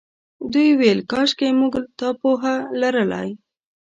دوی ویل کاشکې موږ دا پوهه لرلای.